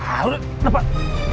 ah lu dapet